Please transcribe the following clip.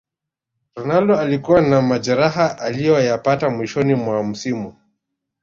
ronaldo alikuwa na majeraha aliyoyapata mwishoni mwa msimu